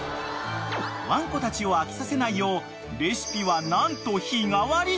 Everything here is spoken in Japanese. ［ワンコたちを飽きさせないようレシピは何と日替わり］